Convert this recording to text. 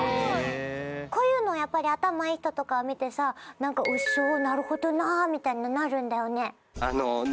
こういうのはやっぱり頭いい人とか見てさなんか「ウッソなるほどな」みたいになるんだよね。